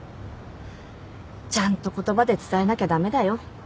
ちゃんと言葉で伝えなきゃ駄目だよ。